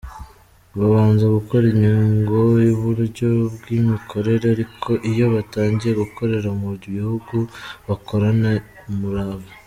Babanza gukora inyigo, uburyo bw’imikorere ariko iyo batangiye gukorera mu gihugu, bakorana umurava.